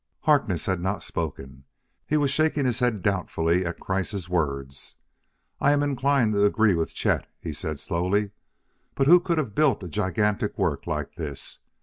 Harkness had not spoken; he was shaking his head doubtfully at Kreiss' words. "I am inclined to agree with Chet," he said slowly. "But who could have built a gigantic work like this?